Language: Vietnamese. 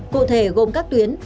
cụ thể gồm các tuyến